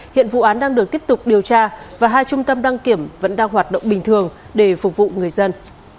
hiện vụ án đang được tiếp tục điều tra và hai trung tâm đăng kiểm vẫn đang hoạt động bình thường để phục vụ người dân